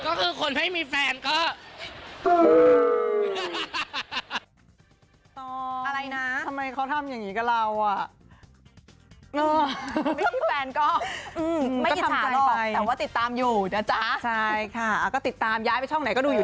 ก็คือคนไม่มีแฟนก็คือ